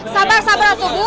sabar sabar tuh bu